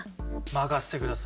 任せてください！